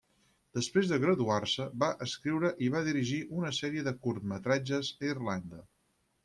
Després de graduar-se, va escriure i va dirigir una sèrie de curtmetratges a Irlanda.